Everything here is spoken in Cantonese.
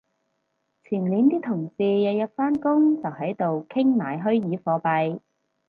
前年啲同事日日返工就喺度傾買虛擬貨幣